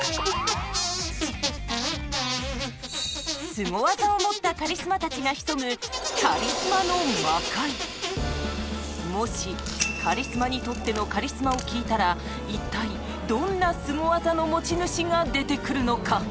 スゴ技を持ったカリスマたちが潜むもしカリスマにとってのカリスマを聞いたら一体どんなスゴ技の持ち主が出てくるのか。